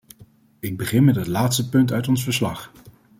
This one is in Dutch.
Ik begin met het laatste punt uit ons verslag.